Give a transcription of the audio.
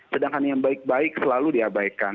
sedangkan yang baik baik selalu diabaikan